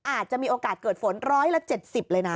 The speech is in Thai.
อาจจะมีโอกาสเกิดฝนร้อยละเจ็ดสิบเลยน่ะ